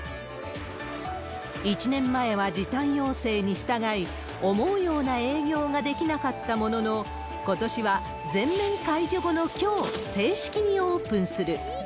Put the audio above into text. １年前は時短要請に従い、思うような営業ができなかったものの、ことしは全面解除後のきょう、正式にオープンする。